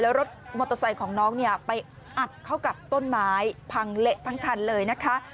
แล้วรถมอเตอร์ไซค์ของน้องเนี่ยไปอัดเข้ากับต้นไม้พังเละทั้งคันเลยนะคะ